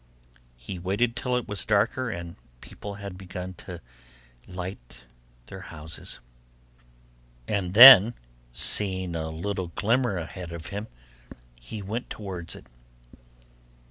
He waited till it was darker and people had begun to light up their houses, and then seeing a little glimmer ahead of him, he went towards it.